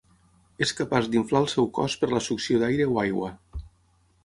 És capaç d'inflar el seu cos per la succió d'aire o aigua.